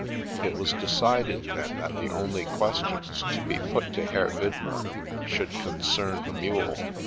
It was decided, then, that the only questions to be put to Herr Widmer should concern the mule.